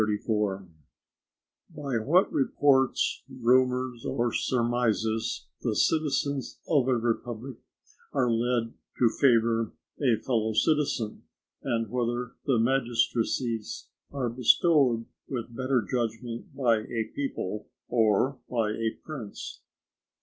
—_By what reports, rumours, or surmises the Citizens of a Republic are led to favour a Fellow citizen: and whether the Magistracies are bestowed with better judgment by a People or by a Prince.